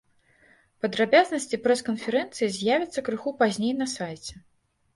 Падрабязнасці прэс-канферэнцыі з'явяцца крыху пазней на сайце.